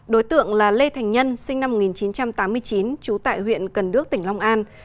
đối tượng là lê thành nhân sinh năm một nghìn chín trăm tám mươi chín trú tại huyện cần đước tỉnh long an